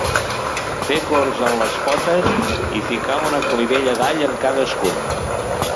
Fer corts en les potes i ficar una clivella d'all en cadascun.